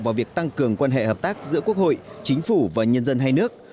vào việc tăng cường quan hệ hợp tác giữa quốc hội chính phủ và nhân dân hai nước